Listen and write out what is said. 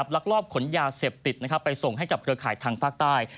ลักลอบขนยาเสพติดไปส่งให้กับเครือข่ายทางภาคใต้